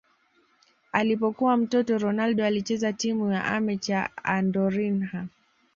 Alipokuwa mtoto Ronaldo alicheza timu ya amateur Andorinha